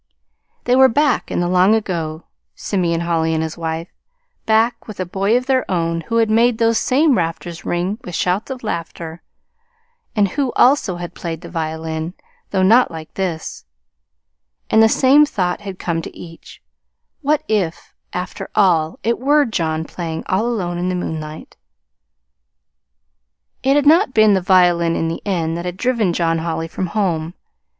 They were back in the long ago Simeon Holly and his wife back with a boy of their own who had made those same rafters ring with shouts of laughter, and who, also, had played the violin though not like this; and the same thought had come to each: "What if, after all, it were John playing all alone in the moonlight!" It had not been the violin, in the end, that had driven John Holly from home.